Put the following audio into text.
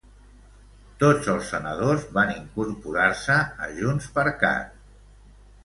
Tots els senadors van incorporar-se a JxCat.